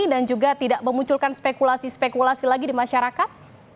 dan juga tidak memunculkan spekulasi spekulasi lagi di masyarakat